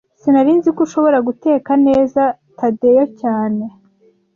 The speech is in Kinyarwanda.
Sinari nzi ko ushobora guteka neza, Tadeyo cyane